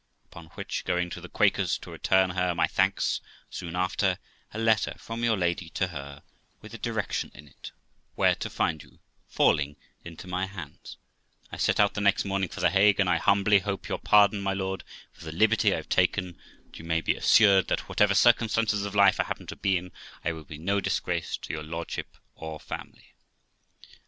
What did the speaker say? Upon which, going to the Quaker's to return her my thanks soon after, a letter from your lady to her, with a direction in it where to find you, falling into my hands, I set out the next morning for the Hague; and I humbly hope your pardon, my lord, for the liberty I have taken; and you may be assured, that whatever circumstances of life I happen to be in, I will be no disgrace to your lordship or family.'